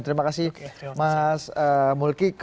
terima kasih mas mulki